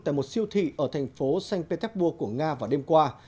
tại một siêu thị ở thành phố sanketepur của nga vào đêm qua